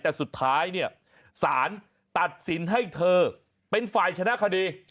แต่สุดท้ายเนี่ยสารตัดสินให้เธอเป็นฝ่ายชนะคดี